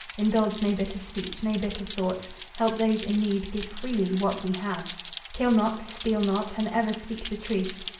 Indulge no bitter speech, no bitter thoughts. Help those in need; give freely what we have. Kill not, steal not, and ever speak the truth.